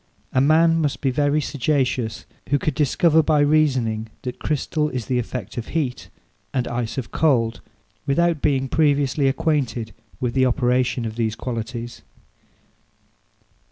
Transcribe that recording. A man must be very sagacious who could discover by reasoning that crystal is the effect of heat, and ice of cold, without being previously acquainted with the operation of these qualities.